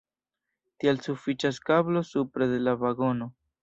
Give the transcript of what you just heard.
Tial sufiĉas kablo supre de la vagono.